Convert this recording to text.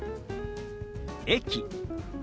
「駅」。